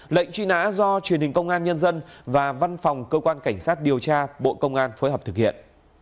lệnh truy nã do truyền hình công an nhân dân và văn phòng cơ quan cảnh sát điều tra bộ công an phối hợp thực hiện